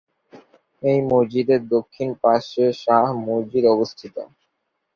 এই মসজিদের দক্ষিণ পাশে শাহ মসজিদ অবস্থিত।